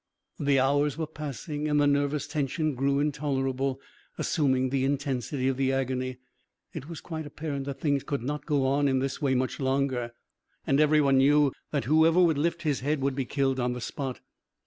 The hours were passing, and the nervous tension grew intolerable, assuming the intensity of agony. It was quite apparent that things could not go on in this way much longer, and every one knew that whoever would lift his head would be killed on the spot.